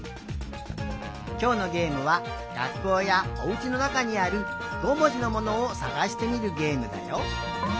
きょうのゲームはがっこうやおうちのなかにある５もじのものをさがしてみるゲームだよ。